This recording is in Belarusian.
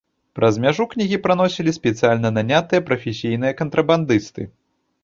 Праз мяжу кнігі праносілі спецыяльна нанятыя прафесійныя кантрабандысты.